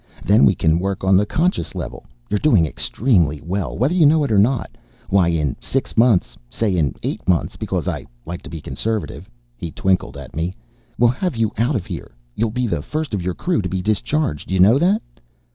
Then we can work on the conscious level! You're doing extremely well, whether you know it or not. Why, in six months say in eight months, because I like to be conservative " he twinkled at me "we'll have you out of here! You'll be the first of your crew to be discharged, you know that?"